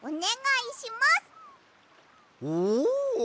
おお！